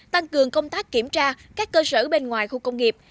tăng cường công tác kiểm tra các cơ sở bên ngoài khu công nghiệp